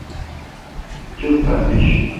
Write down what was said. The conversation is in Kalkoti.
چپ با بیش۔